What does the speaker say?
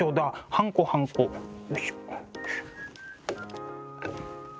はんこはんこよいしょ。